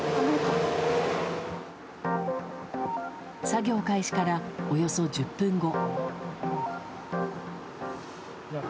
作業開始からおよそ１０分後。